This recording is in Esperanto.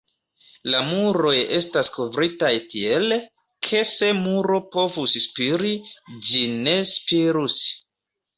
La muroj estas kovritaj tiel, ke se muro povus spiri, ĝi ne spirus.